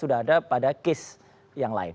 sudah ada pada case yang lain